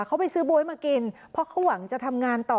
เขาไปซื้อบ๊วยมากินเพราะเขาหวังจะทำงานต่อ